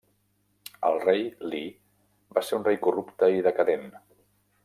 El Rei Li va ser un rei corrupte i decadent.